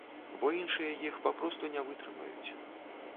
Бо іншыя іх папросту не вытрымаюць.